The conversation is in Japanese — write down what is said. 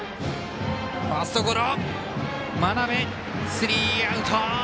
スリーアウト。